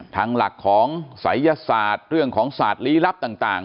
ทางหลักของศัยยศาสตร์เรื่องของศาสตร์ลี้ลับต่าง